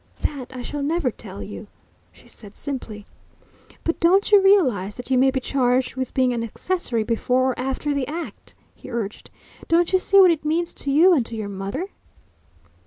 "That I shall never tell you," she said simply. "But don't you realise that you may be charged with being an accessory before or after the act?" he urged. "Don't you see what it means to you and to your mother?"